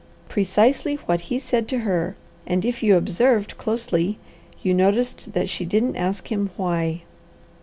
"Precisely what he said to her. And if you observed closely, you noticed that she didn't ask him 'why.'"